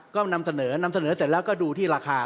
ก็นำเสนอนำเสนอเสร็จแล้วก็ดูที่ราคา